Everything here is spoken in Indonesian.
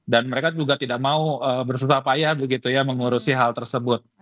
dan mereka juga tidak mau bersusah payah begitu ya mengurusi hal tersebut